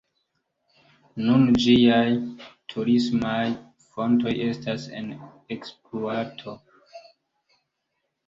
Nun ĝiaj turismaj fontoj estas en ekspluato.